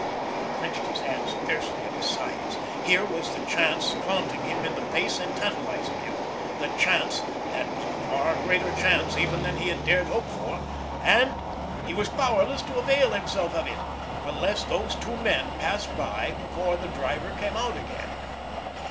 He clenched his hands fiercely at his sides. Here was the chance flaunting him in the face and tantalizing him, the chance that was a far greater chance even than he had dared hope for, and he was powerless to avail himself of it unless those two men passed by before the driver came out again.